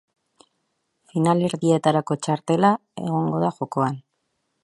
Finalerdietarako txartela egongo da jokoan.